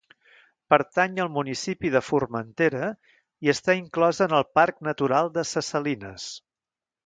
Pertany al municipi de Formentera i està inclosa en el Parc natural de ses Salines.